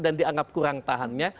dan dianggap kurang tahannya